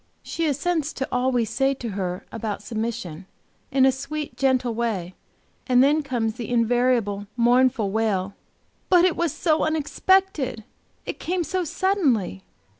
She assents to all we say to her about submission, in a sweet, gentle way, and then comes the invariable, mournful wail, "But it was so unexpected! It came so suddenly!"